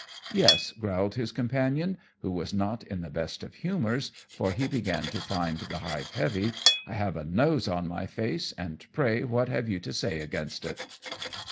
"Yes," growled his companion, who was not in the best of humours, for he began to find the hive heavy, "I have a nose on my face, and pray what have you to say against it?"